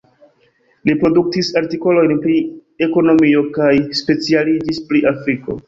Li produktis artikolojn pri ekonomio kaj specialiĝis pri Afriko.